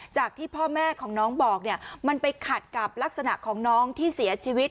จากที่พ่อแม่ของน้องบอกเนี่ยมันไปขัดกับลักษณะของน้องที่เสียชีวิต